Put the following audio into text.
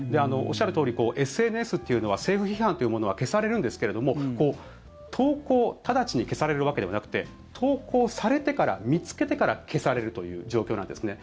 おっしゃるとおりＳＮＳというのは政府批判というものは消されるんですけれども投稿直ちに消されるわけではなくて投稿されてから、見つけてから消されるという状況なんですね。